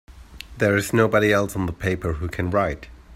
There's nobody else on the paper who can write!